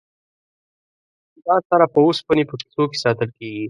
دا سره په اوسپنې په کیسو کې ساتل کیږي.